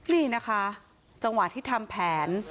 นี่นะคะจังหวะที่ทำแผน